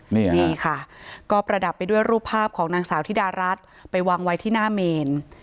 นี่ค่ะก็ประดับไปด้วยรูปภาพของนางสาวธิดารัฐไปวางไว้ที่หน้าเมน